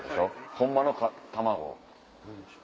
ホンマの卵。